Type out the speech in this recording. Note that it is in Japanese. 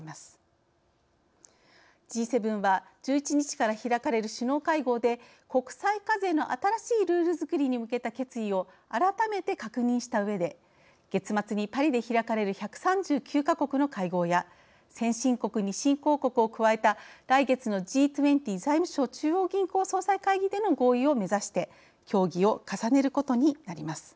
Ｇ７は１１日から開かれる首脳会合で国際課税の新しいルールづくりに向けた決意を改めて確認したうえで月末にパリで開かれる１３９か国の会合や先進国に新興国を加えた来月のＧ２０財務相中央銀行総裁会議での合意を目指して協議を重ねることになります。